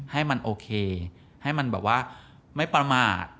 ให้มันโอเคให้มันแบบว่าไม่ประมาท